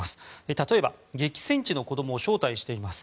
例えば、激戦地の子どもを招待しています。